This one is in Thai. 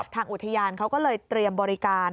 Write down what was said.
ทางอุทยานเขาก็เลยเตรียมบริการ